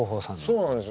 そうなんです。